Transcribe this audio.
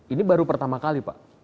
ini baru pertama kali pak